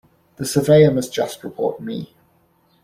The Surveyor must just report me.